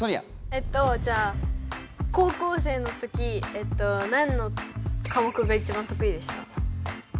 えっとじゃあ高校生のとき何の科目がいちばん得意でした？